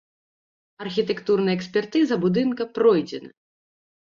Архітэктурная экспертыза будынка пройдзена.